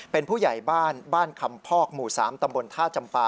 เป็นผู้ใหญ่บ้านบ้านคำพอกหมู่๓ตำบลท่าจำปา